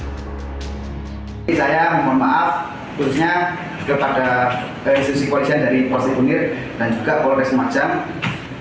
saya meminta maaf khususnya kepada institusi polrisian dari polsekuni dan juga polres rumajang